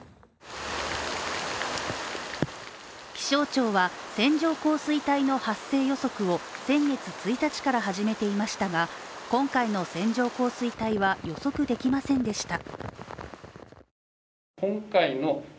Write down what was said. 気象庁は、線状降水帯の発生予測を先月１日から始めていましたが、今回の線状降水帯は予測できませんでした。